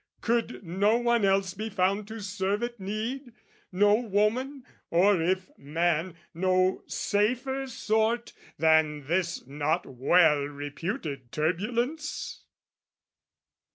Could no one else be found to serve at need No woman or if man, no safer sort Than this not well reputed turbulence?